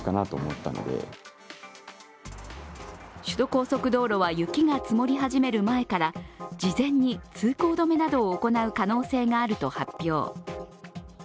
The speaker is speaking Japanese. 首都高速道路は雪が積もり始める前から事前に通行止めなどを行う可能性があると発表。